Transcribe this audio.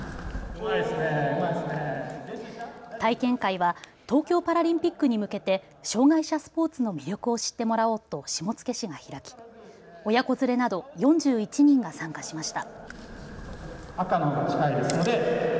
体験会は東京パラリンピックに向けて障害者スポーツの魅力を知ってもらおうと下野市が開き親子連れなど４１人が参加しました。